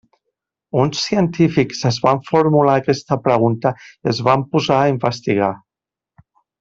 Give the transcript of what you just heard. Uns científics es van formular aquesta pregunta i es van posar a investigar.